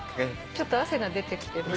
ちょっと汗が出てきてる。